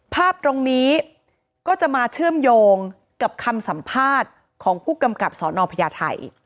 ภาพตรงนี้ก็จะมาเชื่อมโยงกับคำสัมภาษณ์ของผู้กำกับสนพญาไทย